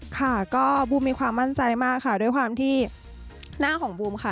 ค่ะก็บูมมีความมั่นใจมากค่ะด้วยความที่หน้าของบูมค่ะ